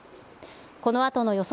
このあとの予想